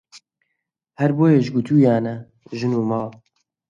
هەر بۆیەش گوتوویانە ژن و ماڵ